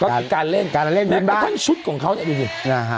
ก็คือการเล่นการเล่นเล่นบ้างนี่เป็นชุดของเขาเนี่ยดูดินะฮะ